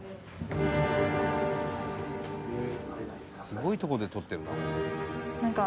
「すごいとこで撮ってるな」